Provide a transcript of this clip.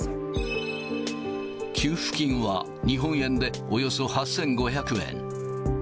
給付金は日本円でおよそ８５００円。